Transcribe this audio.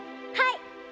はい！